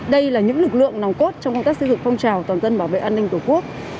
đây là những lực lượng nòng cốt trong công tác xây dựng phong trào toàn dân bảo vệ an ninh tổ quốc